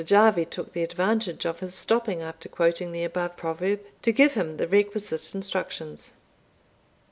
Jarvie took the advantage of his stopping after quoting the above proverb, to give him the requisite instructions.